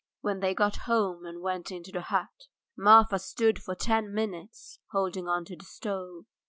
When they got home and went into the hut, Marfa stood for ten minutes holding on to the stove.